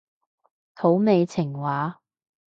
土味情話